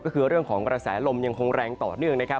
ก็คือเรื่องของกระแสลมยังคงแรงต่อเนื่องนะครับ